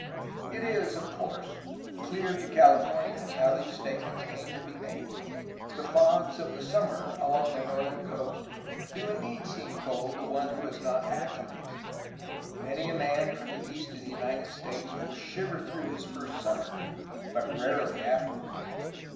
It is, of course, clear to Calif ornians how these statements came to be made. The fogs of the summer along the northern coast do indeed seem cold to one who is not acclimated; many a man from the east of the United States will shiver through his first summer, but rarely afterward.